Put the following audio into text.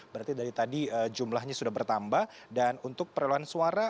berarti dari tadi jumlahnya sudah bertambah dan untuk perolahan suara